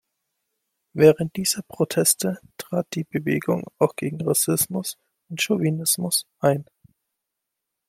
Während dieser Proteste trat die Bewegung auch gegen Rassismus und Chauvinismus ein.